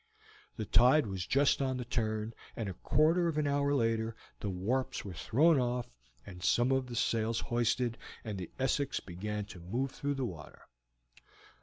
The tide was just on the turn, and a quarter of an hour later the warps were thrown off, and some of the sails hoisted, and the Essex began to move through the water.